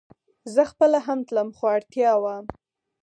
زه خپله هم تلم خو اړتيا وه